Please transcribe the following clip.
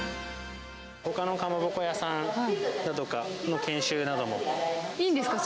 ほかのかまぼこ屋さんだとかいいんですか？